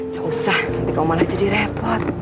gak usah nanti kau malah jadi repot